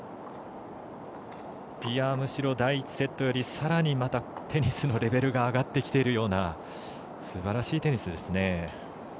第１セットよりさらにテニスのレベルが上がってきているようなすばらしいテニスですね。